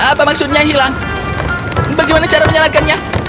apa maksudnya hilang bagaimana cara menyalakannya